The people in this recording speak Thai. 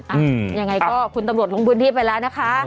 ยังไงก็คุณตำรวจลงพื้นที่ไปแล้วนะคะ